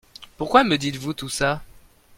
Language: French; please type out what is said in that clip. Pourquoi me dites-vous tout ça ?